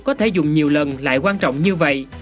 có thể dùng nhiều lần lại quan trọng như vậy